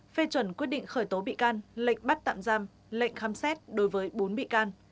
phê chuẩn quyết định khởi tố bị can lệnh bắt tạm giam lệnh khám xét đối với bốn bị can